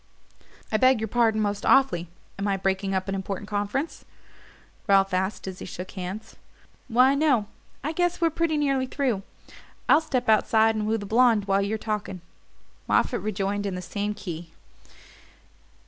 "I beg your pardon most awfully am I breaking up an important conference?" Ralph asked as he shook hands. "Why, no I guess we're pretty nearly through. I'll step outside and woo the blonde while you're talking," Moffatt rejoined in the same key.